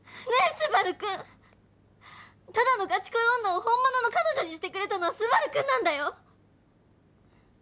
スバルくんただのガチ恋女を本物の彼女にしてくれたのはスバルくんなんだよ！